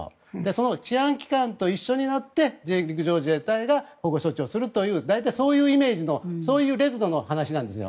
その治安機関と一緒になって陸上自衛隊が保護措置をするという大体そのイメージのその烈度のイメージなんです。